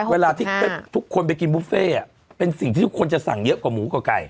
เวลาที่ทุกคนไปกินบุฟเฟ่เป็นสิ่งที่ทุกคนจะสั่งเยอะกว่าหมูกว่าไก่